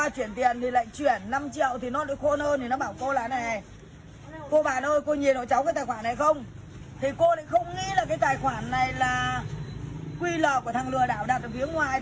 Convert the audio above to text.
cô này không nghĩ là cái tài khoản này là quy lợ của thằng lừa đảo đặt ở phía ngoài